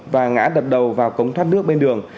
và ngã đập đầu vào cống thoát nước bên đường